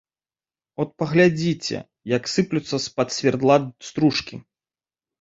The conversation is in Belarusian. От паглядзіце, як сыплюцца з-пад свердла стружкі.